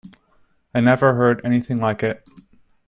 I never heard anything like it.